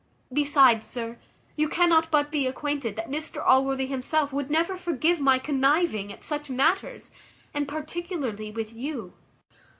Besides, sir, you cannot but be acquainted that Mr Allworthy himself would never forgive my conniving at such matters, and particularly with you."